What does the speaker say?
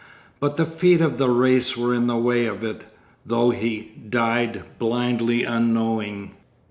But the feet of the race were in the way of it, though he died blindly unknowing.